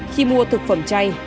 khi mua thực phẩm chay